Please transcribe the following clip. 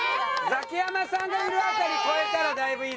ザキヤマさんがいる辺り越えたらだいぶいいですよ。